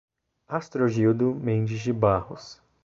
Astrogildo Mendes de Barrros